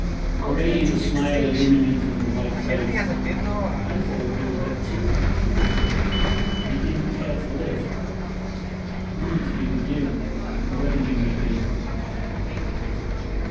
A radiant smile illumined her white face. "I thought you were dead, too," she whispered, "and I did not care to live. I wanted to be with you, wherever you might be."